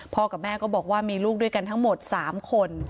กับแม่ก็บอกว่ามีลูกด้วยกันทั้งหมด๓คน